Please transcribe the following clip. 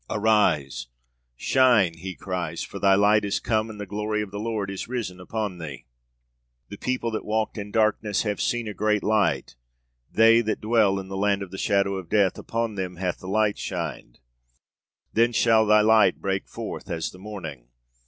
'Arise! Shine!' he cries, 'for thy light is come and the glory of the Lord is risen upon thee.... The People that walked in darkness have seen a great light; they that dwell in the land of the shadow of death, upon them hath the light shined.... Then shall thy light break forth as the morning....